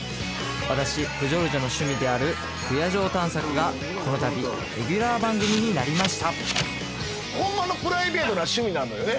私プジョルジョの趣味である不夜城探索がこのたびレギュラー番組になりましたなのよね？